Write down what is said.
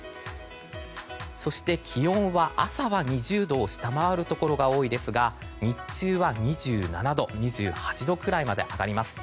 そして、気温は朝は２０度を下回るところが多いですが日中は２７度、２８度くらいまで上がります。